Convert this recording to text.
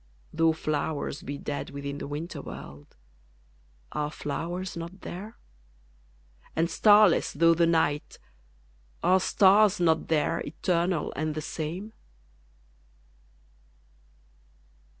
Though flowers be dead within the winter world, Are flowers not there? and starless though the night, Are stars not there, eternal and the same?